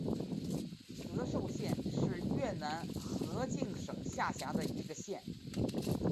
德寿县是越南河静省下辖的一个县。